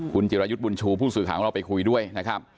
คุณจิรายุทธ์บุญชูผู้สื่อข่าวของเราไปคุยด้วยนะครับ